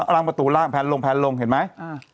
ร่างประตูล่างแพนลงแพนลงเห็นไหม